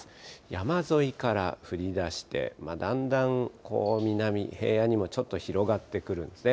山沿いから降りだして、だんだん南、平野にもちょっと広がってくるんですね。